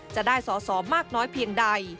จะได้สอสอมากน้อยเพียงใด